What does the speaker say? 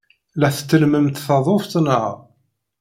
La tettellmemt taḍuft, naɣ?